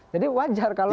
jadi wajar kalau